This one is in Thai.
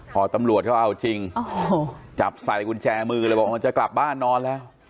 พอตำรวจเขาเอาจริงจับใส่กุญแจมือเลยบอกจะกลับบ้านนอนแล้ว